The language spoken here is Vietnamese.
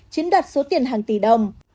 chiến đoạt số tiền hàng tỷ đồng